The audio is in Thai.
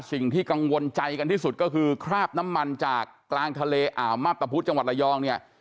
สิ่งที่กังวลใจกันที่สุดก็คือคราบน้ำมันจากกลางทะเลอ่าวมาพตะพุธจังหวัดระยองเนี่ย